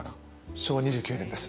昭和２９年です。